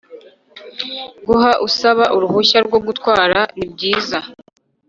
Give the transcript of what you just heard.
guha usaba uruhushya rwo gutwara nibyiza